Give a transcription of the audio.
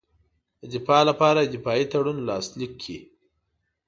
د دفاع لپاره دفاعي تړون لاسلیک کړي.